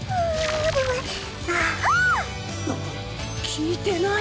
効いてない？